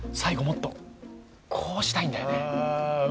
もっとこうしたいんだよねああ